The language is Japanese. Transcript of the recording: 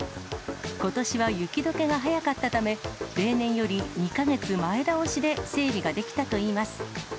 ことしは雪どけが早かったため、例年より２か月、前倒しで整備ができたといいます。